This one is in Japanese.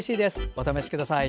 お試しください。